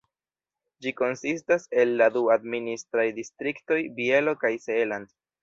Ĝi konsistas el la du administraj distriktoj Bielo kaj Seeland.